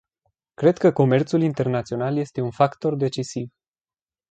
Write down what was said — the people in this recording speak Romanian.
Cred că comerțul internațional este un factor decisiv.